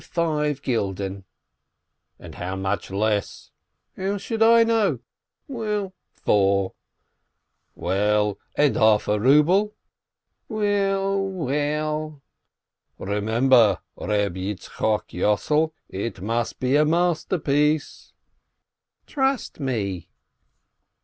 "Five gulden." "And how much less?" "How should I know? Well, four." "Well, and half a ruble?" "Well, well—" "Remember, Eeb Yitzchok Yossel, it must be a masterpiece !" "Trust me!"